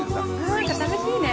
何か楽しいね。